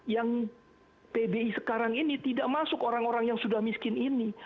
yang pbi sekarang ini tidak masuk orang orang yang sudah miskin ini